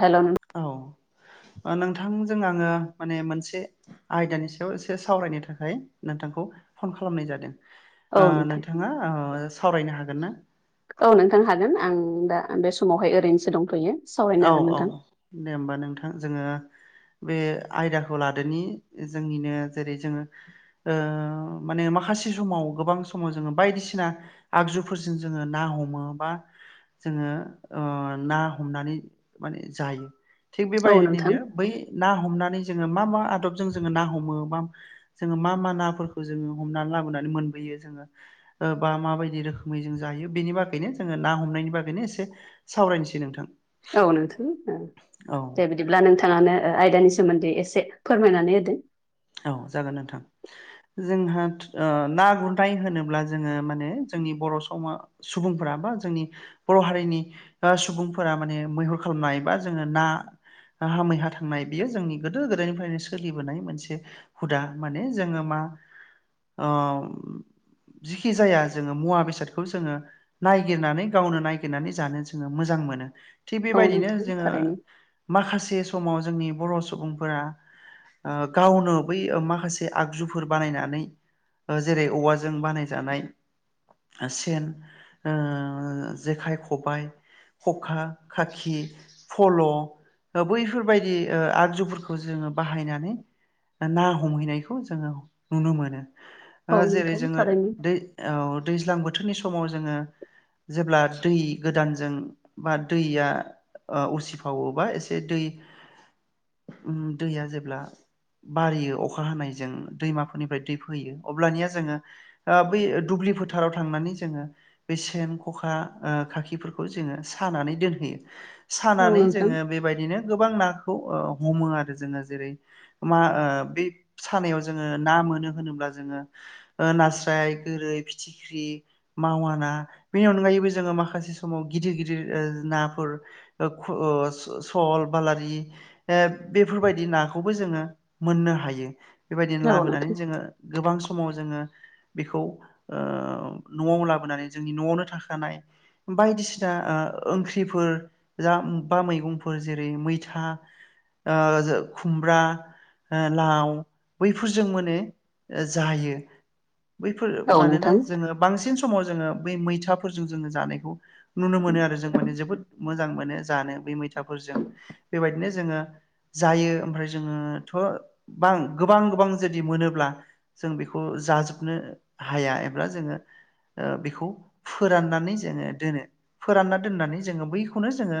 हेल' नों औ ओ नोंथांजों आङो माने मोनसे आयदानि सायाव एसे सावरायनो थाखाय नोंथांखौ फन खालामनाय जादों। ओ नोंथां नोंथाङा ओ सावरायनो हागोनना? औ नोंथां हागोन आं दा बे समावहाय ओरैनोसो दंथ'यो। सावरायनो औ हागोन औ नोंथां दे होमबा नोंथां जोङो बे आयदाखौ लादोनि जोंनिनो जेरै जोङो ओ माने माखासे समाव गोबां समाव जोङो बायदिसिना आगजुफोरजों जोङो ना हमो बा ओ जोङो ना हमनानै माने जायो थिग औ नोंथां बेबायदिनो बै ना हमनानै जोङो मा मा आदबजों जोङो ना हमो? बा जोङो मा मा नाफोरखौ जोङो हमनानै लाबोनानै मोनबोयो जोङो। ओ बा माबायदि रोखोमै जों जायो बेनि बागैनो जोङो ना हमनायनि बागैनो एसे सावरायनोसै नोंथां। औ नोंथां ओ। औ दे बिदिब्ला नोंथाङानो ओ आयदानि सोमोन्दै एसे फोरमायनानै होदो। औ जागोन नोंथां। जोंहा ओ ना गुरनाय होनोब्ला जोङो माने जोंनि बर' समा सुबुंफोरा बा जोंनि बर' हारिनि ओ सुबुंफोरा माने मैहुर खालामनाय बा जोङो ना नाहा मैहा थांनाय बियो जोंनि गोदो गोदायनिफ्रायनो सोलिबोनाय मोनसे हुदा माने जोङो मा अम जिखि जाया जोङो मुवा बेसादखौ जोङो। नायगिरनानै गावनो नायगिरनानै जानो जोङो मोजां मोनो। थिग औ बेबायदिनो नोंथां जोङो थारैनो माखासे समाव जोंनि बर' सुबुंफोरा ओ गावनो बै माखासे आगजुफोर बानायनानै ओ जेरै औवाजों बानाय जानाय सेन ओ जेखाइ, खबाय ख'खा, खाखि, फल' बैफोरबायदि ओ आगजुफोरखौ जोङो बाहायनानै ना हमहैनायखौ जोङो नुनो मोनो। ओ औ जेरै नोंथां जोङो थारैनो दै औ दैज्लां बोथोरनि समाव जोङो जेब्ला दै गोदानजों मा दैया ओ उसिफावोबा एसे दै उम दैया जेब्ला बारियो अखा हानायजों दैमाफोरनिफ्राय दै फोयो। अब्लानिया जोङो ओ बै दुब्लि फोथाराव थांनानै जोङो बे सेन खखा ओ खाखिफोरखौ जोङो सानानै दोनहैयो। औ सानानै नोंथां जोङो बेबायदिनो गोबां नाखौ ओ हमो आरो जोङो। जेरै मा ओ बे सानायाव जोङो ना मोनो होनोब्ला जोङो। ओ नास्राय, गोरै, फिथिख्रि मावा ना बेनि अनगायैबो जोङो माखासे समाव गिदिर गिदिर ओ नाफोर ओ खु ओ सल, बालारि [unintelligible] बेफोरबायदि नाखौबो जोङो मोननो हायो। बेबायदिनो औ लाबोनानै नोंथां जोङो गोबां समाव जोङो। बेखौ ओ न'आव लाबोनानै जोंनि न'आवनो थाखानाय बायदिसिना ओ ओंख्रिफोर जा बा मैगंफोर जेरै मैथा ओ खुमब्रा ओ लाव बैफोरजों माने जायो। बैफोर औ मानोना नोंथां जोङो बांसिन समाव जोङो। बै मैथाफोरजों जोङो जानायखौ नुनो मोनो आरो। जों माने जोबोद मोजां मोनो जानो बे मैथाफोरजों। बेबायदिनो जोङो जायो ओमफ्राय जोङो थ' बां गोबां गोबां जुदि मोनोब्ला जों बेखौ जाजोबनो हाया एबा जोङो ओ बेखौ फोराननानै जोङो दोनो। फोरानना दोननानै जोङो बैखौनो जोङो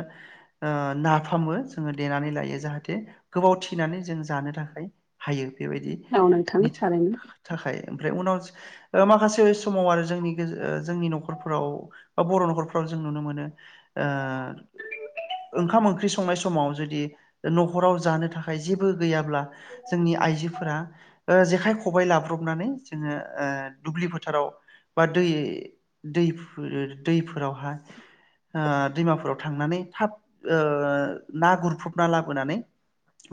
ओ नाफामबो जोङो देनानै लायो। जाहाथे गोबाव थिनानै जों जानो थाखाय हायो। बेबायदिनि औ नोंथां बिद थारैनो थाखाय ओमफ्राय उनाव ओ माखासे समाव आरो जोंनि गेज जोंनि न'खरफोराव ओ बर' न'खरफ्राव जों नुनो मोनो। ओ ओंखाम ओंख्रि संनाय समाव जुदि न'खराव जानो थाखाय जेबो गैयाब्ला जोंनि आइजोफोरा ओ जेखाइ, खबाइ लाब्रबनानै जोङो ओ दुब्लि फोथाराव बा दै दैफोर दैफोरावहाय ओ दैमाफोराव थांनानै थाब ओ ना गुरफबना लाबोनानै।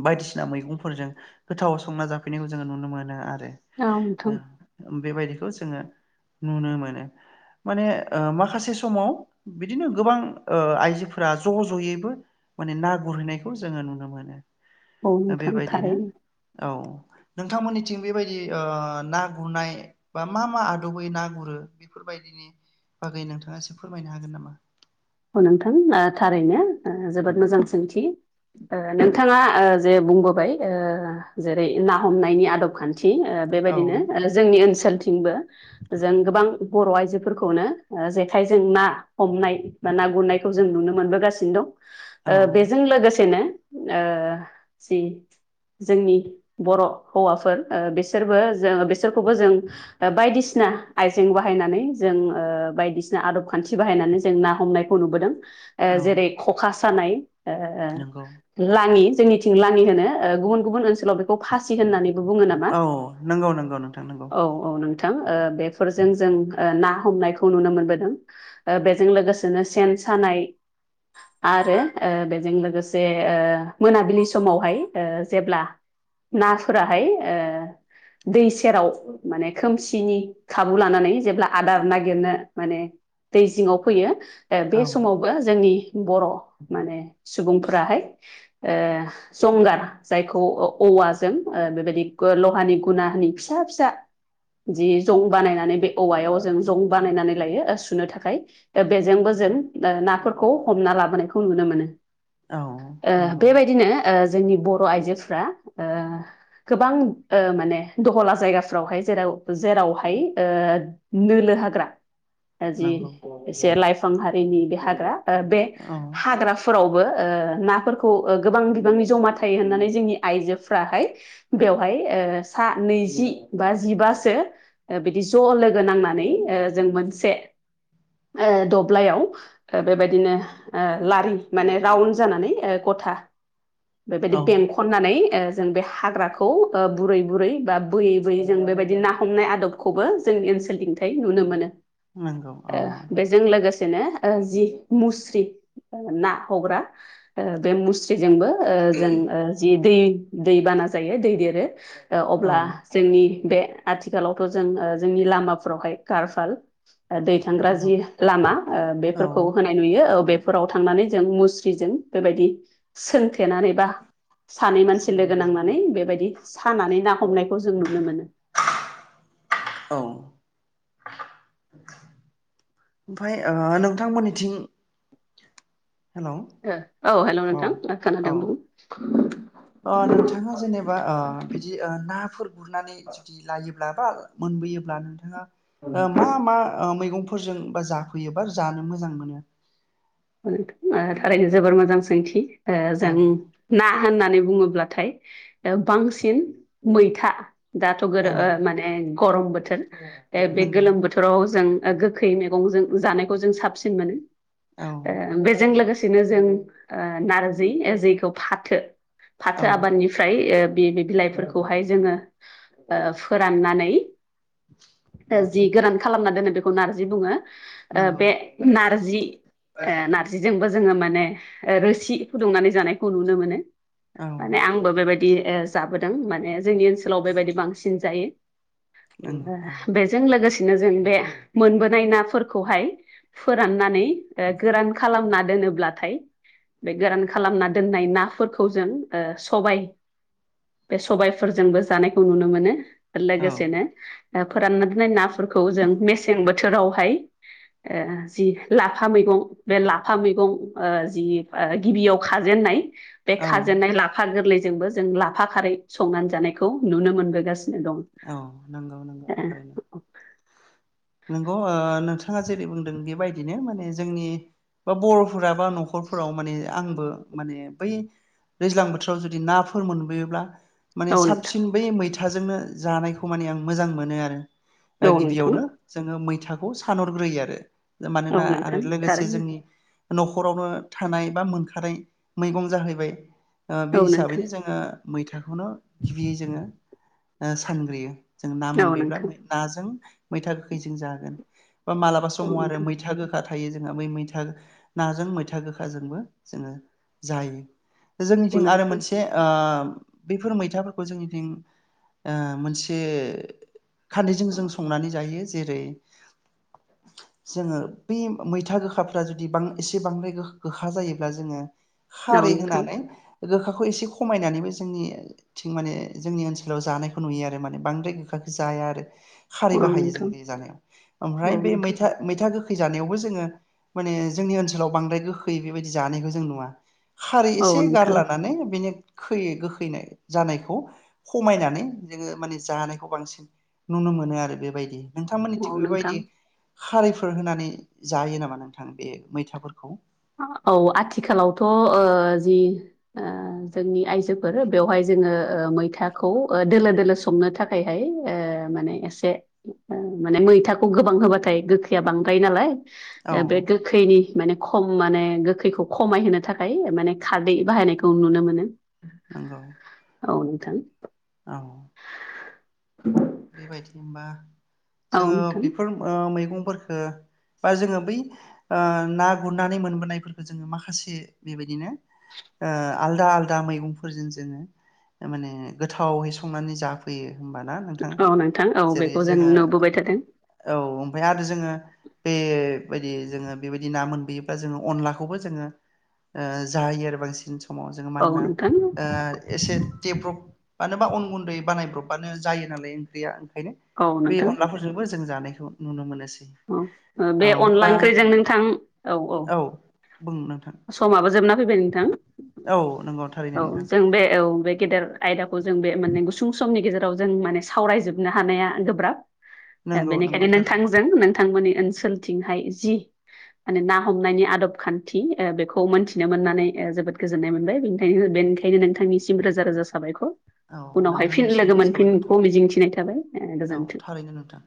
बायदिसिना मैगंफोरजों गोथावा संना जाफैनायखौ जोङो नुनो मोनो आरो। औ नोंथां ओं बेबायदिखौ जोङो नुनो मोनो। माने ओ माखासे समाव बिदिनो गोबां ओ आइजोफोरा ज' ज'यैबो माने ना गुरहैनायखौ जोङो नुनो मोनो। औ ओ नोंथां बेबायदिनो थारैनो औ नोंथांमोननिथिं बेबायदि ओ ना गुरनाय बा मा मा आदबै ना गुरो? बेफोरबायदिनि बागै नोंथाङासो फोरमायनो हागोन नामा? औ नोंथां ओ थारैनो ओ जोबोद मोजां सोंथि। ओ नोंथाङा ओ जे बुंबोबाय ओ जेरै ना हमनायनि आदब खान्थि ओ औ बेबायदिनो ओ जोंनि ओनसोलथिंबो जों गोबां बर' आइजोफोरखौनो जेखाइजों ना हमनाय बा ना गुरनायखौ जों नुनो मोनबोगासिनो दं। औ ओ बेजों लोगोसेनो ओ जि जोंनि बर' हौवाफोर ओ बिसोरबो जों बिसोरखौबो जों ओ बायदिसिना आइजें बाहायनानै जों ओ बायदिसिना आदब खान्थि बाहायनानै जों ना हमनायखौ नुबोदों। ए औ जेरै खखा सानाय ओ नंगौ लाङि जोंनिथिं लाङि होनो। ओ गुबुन गुबुन ओनसोलाव बेखौ फासि होननानै औ नोंगौ नोंगौ नोंथां नोंगौ। औ औ नोंथां ओ बेफोरजों जों ओ ना हमनायखौ नुनो मोनबोदों। बेजों लोगोस दोनो सेन सानाय आरो ओ बेजों लोगोसे ओ मोनाबिलि समावहाय ओ जेब्ला नाथुराहाय ओ दै सेराव माने खोमसिनि खाबु लानानै जेब्ला आदार नागिरनो माने दै जिंआव फैयो। ओ औ बे समाव बो जोंनि बर' माने सुबुंफोराहाय ओ जंगार जायखौ औ-औवाजों ओ बेबायदि लहानि गुनानि फिसा फिसा जि जं बानायनानै बे औवायाव जों जं बानायनानै लायो सुनो थाखाय। ओ बेजोंबो जों ओ नाफोरखौ हमना लाबोनायखौ नुनो मोनो। औ ओ नंगौ बेबायदिनो ओ जोंनि बर' आइजोफ्रा ओ गोबां ओ माने दहला जायगाफ्रावहाय जेराव जेरावहाय ओ नोलो हाग्रा ओ जि नंगौ एसे लाइफां हारिनि बे हाग्रा ओ बे औ हाग्रा फोरावबो ओ नाफोरखौ ओ गोबां बिबांनि जमा थायो होननानै जोंनि आइजोफ्राहाय बेवहाय ओ सा नैजि बा जिबासो ओ बिदि ज' लोगो नांनानै ओ जों मोनसे ओ दब ब्लाइयाव ओ बेबायदिनो ओ लारि माने राउन्ड जानानै ओ गथा [inaudible] बेबायदि बेंख खननानै ओ जों बे हाग्राखौ ओ बुरै बुरै बा बोयै बोयै जों बेबायदि ना हमनाय आदब खौबो जों ओनसोलनिंथाय नुनो मोनो। नंगौ ओ औ बेजों लोगोसे नो ओ जि मुस्रि ओ ना हग्रा, ओ बे मुस्रि जोंबो ओ जों ओ जि दै दै बाना जायो दै देरो, औ अब्ला जोंनि बे आथिखालावथ' जों ओ जोंनि लामाफोरावहाय कारफाल ओ दै थांग्रा नंगौ जि लामा ओ औ बेफोरखौ होन नाय नुयो। औ बेफोराव थांनानै जों मुस्रिजों बेबायदि सोंथेनानै बा सानै मानसि लोगो नांनानै बेबायदि सानानै ना हमनायखौ जों नुनो मोनो। औ ओमफ्राय ओ नोंथांमोननिथिं हेलौ औ हेल' नोंथां। ओ खोनादों बुं। अ नोंथाङा जेनेबा ओ बिदि ओ नाफोर गुरनानै जुदि लायोब्ला बा मोनबोयोब्ला नोंथाङा ओ मा मा ओ मैगंफोरजों बा जाफैयोबा जानो मोजां मोनो? ओ थारैनो जोबोर मोजां सोंथि ओ औ जों ना होननानै बुङोब्लाथाय ओ बांसिन मैथा दाथ' गोर औ ओ माने गरम बोथोर बे नंगौ गोलोम बोथोर बोथोराव जों ओ गोखै मेगंजों जानायखौ जों साबसिन मोनो। औ। ओ बेजों लोगोसेनो जों ओ नारजै जेखौ फाथो औ फाथो आबादनिफ्राय ओ बे बि-बिलाइफोरखौहाय जोङो ओ फोराननानै जि गोरान खालामना दोनो बेखौ नारजि बुङो नंगौ बे नारजि ओ नारजिजोंबो जोङो माने रोसि फुदुंनानै जानायखौ नुनो मोनो। औ माने आंबो बेबायदि ओ जाबोदों माने जोंनि ओनसोलाव बेबायदि बांसिन नंगौ औ जायो। बे जों लोगोसेनो जों बे मोनबोनाय नाफोरखौहाय फोराननानै ओ गोरान खालामना दोनोब्लाथाय बे गोरान खालामना दोननाय नाफोरखौ जों ओ सबाय बे सबायफोरजोंबो जानायखौ नुनो मोनो। औ लोगोसेनो ओ फोरानना दोननाय नाफोरखौ जों मेसें बोथोरावहाय ओ जि ला लाफा मैगं बे लाफा मैगं ओ जि ओ गिबियाव खाजेननाय बे औ खाजेननाय लाफा गोरलैजोंबो जों लाफा खारै संनानै जानायखौ नुनो मोनबोगासिनो दं। औ नंगौ नंगौ थारैनो। नंगौ ओ नोंथाङा जेरै बुंदों बेबायदिनो माने जोंनि बा बर'फोरा बा न'खरफोराव माने आंबो माने बै दैज्लां बोथोराव जुदि नाफोर मोनबोयोब्ला माने ओ औ नोंथां साबसिन बै मैथाजोंनो जानायखौ माने आं मोजां मोनो ओ औ नोंथां गिबियावनो जोङो मैथाखौ सानहरग्रोयो आरो औ मानोना आरो नोंथां लोगोसे थारैनो जोंनि न'खरावनो थानाय बा मोनखानाय मैगं जाहैबाय ओ बे औ नोंथां हिसाबैनो जोङो मैथाखौनो गिबियै जोङो ओ सानग्रोयो। जों ना औ मोनबोब्ला नोंथां नाजों मैथा गोखैजों जागोन बा मालाबा औ समाव आरो मैथा गो खा थायो जोंहा बै मैथा नाजों मैथा गोखाजोंबो जोङो जायो। जोंनिथिं आरो नोंथां मोनसे ओ बेफोर मैथाफोरखौ जोंनिथिं ओ मोनसे खारदैजों जों संनानै जायो जेरै [inaudible] जोङो बै मैथा गोखाफ्रा जुदि बा एसे बांद्राय गोखा जायोब्ला जोङो औ खारै नोंथां होनानै गोखाखौ एसे खमायनानैबो जोंनि थिं माने जोंनि ओनसोलाव जानायखौ नुयो आरो माने बांद्राय गोखााख जाया आरो औ नोंथां खारै औ बाहायो नोंथां जों बे जानायाव औ ओमफ्राय बे नोंथां मैथा मैथा गोखै जानायावबो जोङो माने जोंनि ओनसोलाव बांद्राय गोखै बेबायदि जानायखौ जों नुवा। खारै औ एसे नोंथां गारलानानै बिनि खै गोखैनाय जानायखौ खमायनानै जोङो माने जानायखौ बांसिन नुनो मोनो आरो बेबायदि नोंथांमोननि थिं औ नोंथां बेबायदि खारैफोर होनानै जायो नामा नोंथां बे मैथाफोरखौ औ आथिखालावथ' ओ जि ओ जोंनि आइजोफोर बेवहाय जोङो ओ मैथाखौ दोलो दोलो संनो थाख खायहाय ओ माने एसे माने मैथाखौ गोबां होबाथाय गोखैया बांद्राय नालाय औ ओ बे गोखैनि माने खम माने गोखैखौ खमायहोनो थाखाय माने खारदै बाहायनायखौ नुनो मोनो। नंगौ औ नोंथां औ बेबायदि होनबा औ जोङो नोंथां बेफोर ओ मैगंफोरफोरखो बा जोङो बै ओ ना गुरनानै मोनबोनायफोरखो जोङो माखासे बेबायदिनो ओ आलदा आलदा मैगंफोरजों जोङो माने गोथावहै संनानै जा दे होमबा ना नोंथां औ नोंथां औ जेरै बेखौ जों जोङो नुबोबाय थादों औ ओमफ्राय आरो जोङो बेबायदि जोङो बेबायदि ना मोनबोयोबा जोङो अनलाखौबो जोङो ओ जायो आरो बांसिन समाव जोङो औ मानोना नोंथां ओ एसे देब्रब मानोबा अन गुन्दै बानायब्रबानो जायो नालाय ओंख्रिया ओंखायनो औ बे नोंथां औ अनलाफोरजोंबो जों जानायखौ नुनो मोनोसै। औ बे अनला ओंख्रिजों नोंथां औ औ बुं नोंथां समाबो जोबना फैबाय नोंथां औ नंगौ थारैनो औ नोंथां जों बे औ बे गेदेर आयदाखौ जों बे माने गुसुं समनि गेजेराव जों माने सावरायजोबनो हानाया गोब्राब नंगौ नंगौ बेनिखायनो थारैनो नोंथांजों नों बिथांमोननि ओनसोलथिंहाय जि माने ना हमनायनि आदब खान्थि ओ बेखौ मोनन्थिनो मोननानै ओ जोबोद गोजोननाय मोनबाय बेनिखायनो बेनिखायनो नोंथांनिसिम रोजा रोजा साबायखर औ उनावहाय फिन लोगो नोंथांनिसिमबो साबायखर मोनफिनगोनखौ थाबाय मिजिंथिनाय ओ थाबाय औ गोजोन्थों थारैनो नोंथां